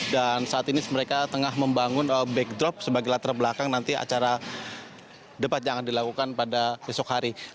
dan saat ini mereka tengah membangun backdrop sebagai latar belakang nanti acara debat yang akan dilakukan pada besok hari